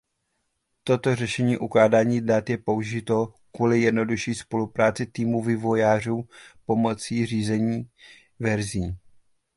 Toto řešení ukládání dat je použito kvůli jednodušší spolupráci týmu vývojářů pomocí řízení verzí.